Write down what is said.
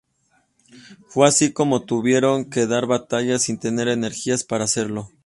Fue así como tuvieron que dar batalla sin tener las energías para hacerlo.